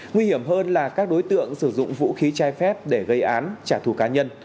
nguy hiểm hơn là các đối tượng sử dụng vũ khí chai phép để gây án trả thù cá nhân